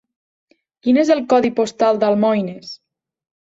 Quin és el codi postal d'Almoines?